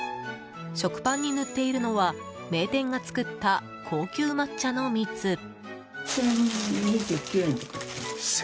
食パンに塗っているのは名店が作った高級抹茶のみつ。